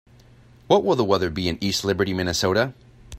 What will the weather be in East Liberty Minnesota?